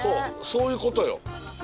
そういうことよ。